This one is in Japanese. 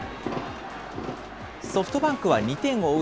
ソフトバンクは２点を追う